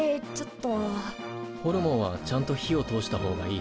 ホルモンはちゃんと火を通した方がいい。